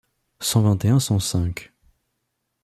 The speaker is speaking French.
cent vingt et un cent cinq.